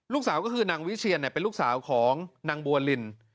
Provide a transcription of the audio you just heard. ลูกสาวก็คือนางวิเชียนเป็นลูกสาวของนางบัวลิน